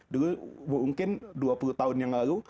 dulu mungkin dua puluh tahun yang lalu